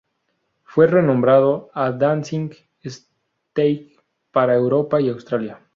Fue renombrado a Dancing Stage para Europa y Australia.